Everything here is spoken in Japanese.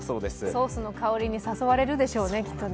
ソースの香りに誘われるでしょうねきっとね。